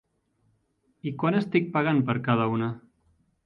I quant estic pagant per cada una?